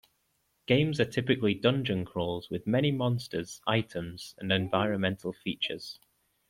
Games are typically dungeon crawls, with many monsters, items, and environmental features.